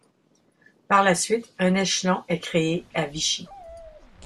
Par la suite, un échelon est créé à Vichy.